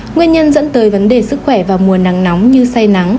nguyên nhân dẫn tới vấn đề sức khỏe vào mùa nắng nóng như say nắng